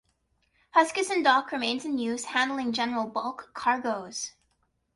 Huskisson Dock remains in use, handling general bulk cargoes.